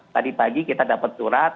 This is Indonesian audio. tadi pagi kita dapat surat